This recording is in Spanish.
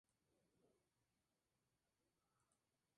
Junto al puente se levantaba un pontón, hoy desaparecido.